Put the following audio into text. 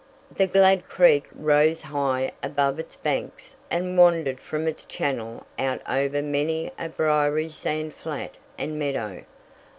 The glad creek rose high above its banks and wandered from its channel out over many a briery sand flat and meadow.